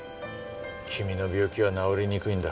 君の病気は治りにくいんだ。